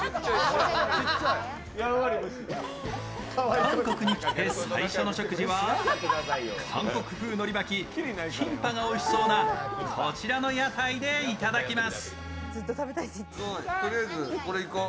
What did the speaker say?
韓国に来て最初の食事は韓国風のり巻き、キンパがおいしそうなこちらの屋台でいただきます。